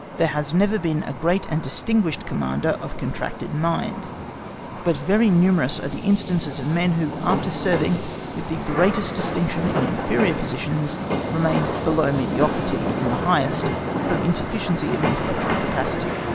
There never has been a great and distinguished Commander of contracted mind, but very numerous are the instances of men who, after serving with the greatest distinction in inferior positions, remained below mediocrity in the highest, from insufficiency of intellectual capacity.